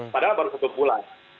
padahal baru satu bulan